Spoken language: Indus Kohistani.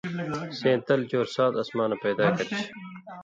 سیں تل چور سات اسمانہ پَیدا کرچھی؛